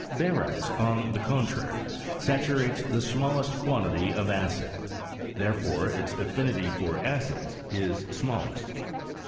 Barytes, on the contrary, sata lates the smallest quantity of acid; therefore its affinity for acids is smallest.